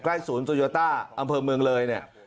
ศูนย์โตโยต้าอำเภอเมืองเลยเนี่ย